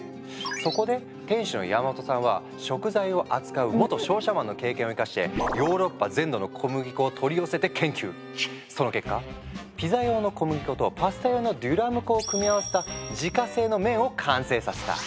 そこで店主の山本さんは食材を扱う元商社マンの経験を生かしてその結果ピザ用の小麦粉とパスタ用のデュラム粉を組み合わせた自家製の麺を完成させた。